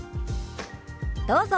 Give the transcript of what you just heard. どうぞ。